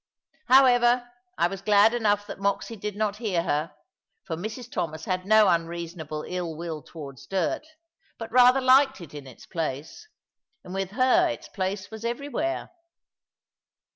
However, I was glad enough that Moxy did not hear her, for Mrs Thomas had no unreasonable ill will towards dirt, but rather liked it in its place; and with her its place was everywhere.